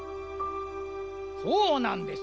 そうなんです。